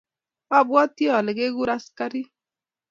abwatii ale kekur askarik